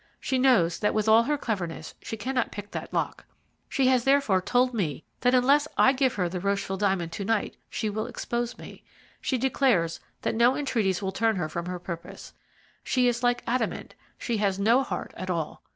She knows that with all her cleverness she cannot pick that lock. She has, therefore, told me that unless I give her the Rocheville diamond to night she will expose me. She declares that no entreaties will turn her from her purpose. She is like adamant, she has no heart at all.